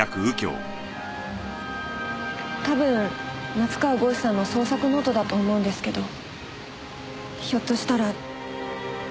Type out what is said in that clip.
多分夏河郷士さんの創作ノートだと思うんですけどひょっとしたら。